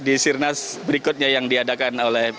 di sirnas berikutnya yang diadakan oleh